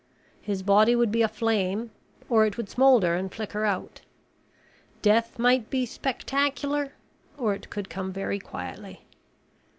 His body would be aflame or it would smolder and flicker out. Death might be spectacular or it could come very quietly.